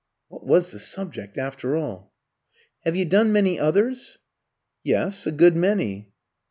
(What was the subject, after all?) "Have you done many others?" "Yes, a good many."